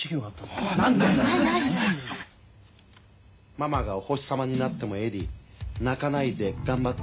「ママがお星様になってもエディ泣かないで頑張ってください。